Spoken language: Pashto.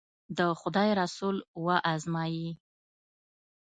د خدای رسول و ازمایي.